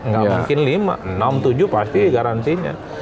nggak mungkin lima enam tujuh pasti garansinya